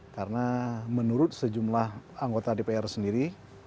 karena menurut sejumlah anggota dpr sendiri